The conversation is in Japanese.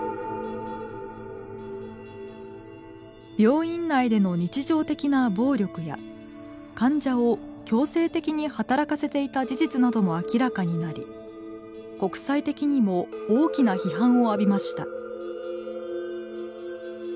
病院内での日常的な暴力や患者を強制的に働かせていた事実なども明らかになり国際的にも大きな批判を浴びました。